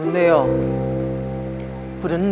ลอง